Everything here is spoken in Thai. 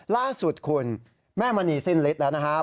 ล่าสุดคุณแม่มณีสิ้นฤทธิ์แล้วนะครับ